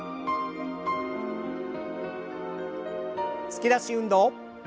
突き出し運動。